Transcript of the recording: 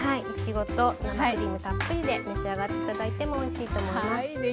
いちごと生クリームたっぷりで召し上がって頂いてもおいしいと思います。